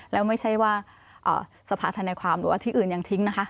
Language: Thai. แล้วไม่ใช่ว่าสภาธนาความหรือว่าที่อื่นยังทิ้งนะคะ